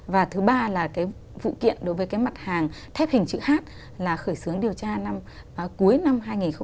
và thứ ba là cái vụ kiện đối với cái mặt hàng thép hình chữ h là khởi xướng điều tra cuối năm hai nghìn hai mươi ba